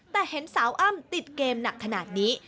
แต่เห็นสาวอ้ำติดเกมหนักขนาดนี้